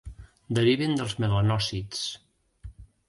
Deriven dels melanòcits.